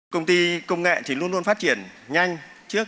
công ty công nghệ thì luôn luôn phát triển nhanh trước